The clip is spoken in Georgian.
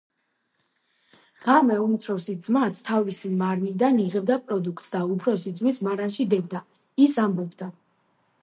ღამე უმცროსი ძმაც თავისი მარნიდან იღებდა პროდუქტს და უფროსი ძმის მარანში დებდა. ის ამბობდა: